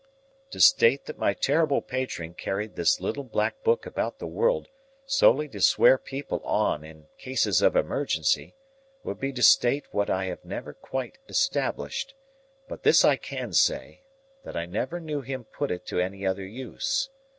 To state that my terrible patron carried this little black book about the world solely to swear people on in cases of emergency, would be to state what I never quite established; but this I can say, that I never knew him put it to any other use.